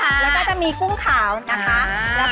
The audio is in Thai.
แล้วก็จะมีกุ้งขาวนะคะ